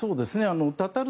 タタル